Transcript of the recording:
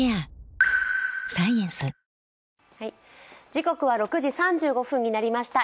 時刻は６時３４分になりました